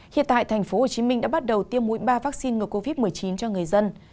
hiện tại tp hcm đã bắt đầu tiêm mũi ba vaccine ngừa covid một mươi chín cho người dân